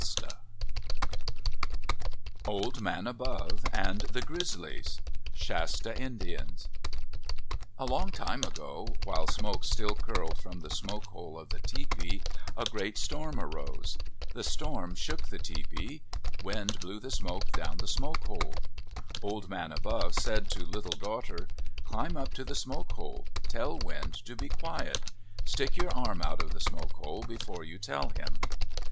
34 OF THE PACIFIC NORTHWEST OLD MAN ABOVE AND THE GRIZZLIES Shasta Indians ALONG time ago, while smoke still curled from the smoke hole of the tepee, a great storm arose. The storm shook the tepee. Wind blew the smoke down the smoke hole. Old Man Above said to Little Daughter :" Climb up to the smoke hole. Tell Wind to be quiet. Stick your arm out of the smoke hole before you tell him."